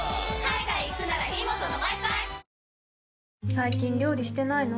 最近料理してないの？